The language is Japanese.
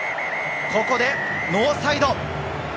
ここでノーサイド！